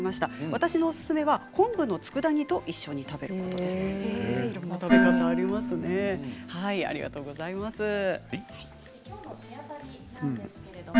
私のおすすめは昆布のつくだ煮と一緒に食べることですということです。